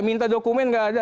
minta dokumen nggak ada